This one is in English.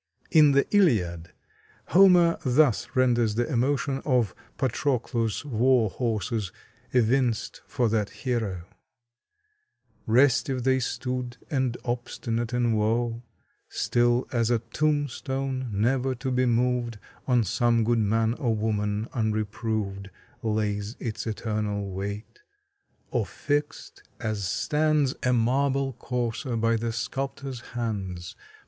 In the Iliad, Homer thus renders the emotion of Patroclus' war horses evinced for that hero: Restive they stood, and obstinate in woe: Still as a tombstone, never to be moved On some good man or woman unreproved Lays its eternal weight; or fix'd, as stands A marble courser by the sculptor's hands.